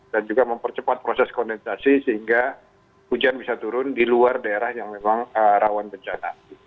dan juga mempercepat proses kondensasi sehingga hujan bisa turun di luar daerah yang memang rawan bencana